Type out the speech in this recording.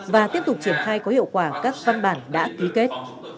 và tiếp tục triển khai có hiệu quả các văn bản đã ký kết